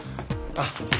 あっ。